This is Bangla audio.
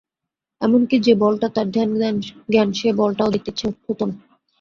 এমনকি যে বলটা তাঁর ধ্যানজ্ঞান, সেই বলটাও দেখতে ইচ্ছে হতো না।